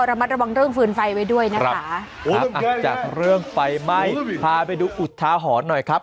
รับมาตรบังเรื่องฟืนไฟไปด้วยจะลองจับเรื่องไฟไหม้พาไปดูอุ๋สท้าหอนหน่อยครับ